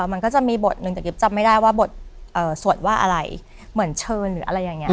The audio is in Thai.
มันก็จะมีบทหนึ่งแต่กิ๊บจำไม่ได้ว่าบทสวดว่าอะไรเหมือนเชิญหรืออะไรอย่างนี้